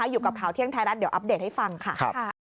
อยู่กับข่าวเที่ยงไทยรัฐเดี๋ยวอัปเดตให้ฟังค่ะ